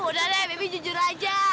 udah deh mimpi jujur aja